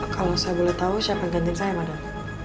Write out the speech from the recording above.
kalau saya boleh tahu siapa gantian saya madan